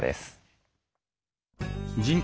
人口